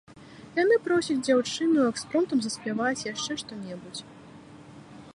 Яны просяць дзяўчыну экспромтам заспяваць яшчэ што-небудзь.